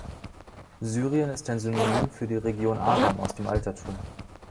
Syrien ist ein Synonym für die Region Aram aus dem Altertum.